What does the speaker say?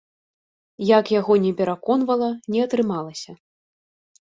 Як я яго не пераконвала, не атрымалася.